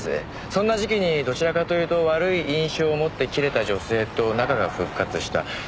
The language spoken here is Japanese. そんな時期にどちらかというと悪い印象を持って切れた女性と仲が復活した。